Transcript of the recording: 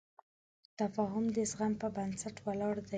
تفاهم د زغم په بنسټ ولاړ دی.